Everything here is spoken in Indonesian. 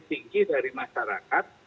tinggi dari masyarakat